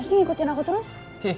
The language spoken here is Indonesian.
apa sih ngikutin aku terus